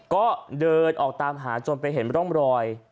ก็เดินออกตามหาจนไปเห็นร่องรอย